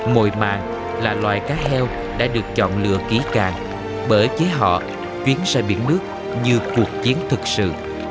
mồi màng là loài cá heo đã được chọn lừa ký càng bởi với họ chuyến ra biển nước như cuộc chiến thực sự